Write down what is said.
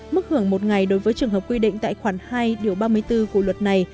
mức hưởng một ngày đối với trường hợp quy định tại khoản hai điều ba mươi bốn của luật này